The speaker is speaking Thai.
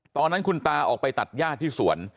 ตอนนั้นคุณตาออกไปตัดย่าที่สวน